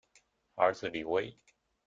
儿子李威。